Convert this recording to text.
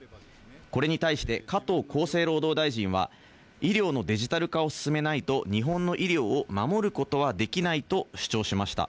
これに対して加藤厚生労働大臣は、医療のデジタル化を進めないと、日本の医療を守ることはできないと主張しました。